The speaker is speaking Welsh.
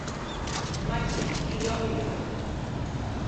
Mae hi'n pluo eira.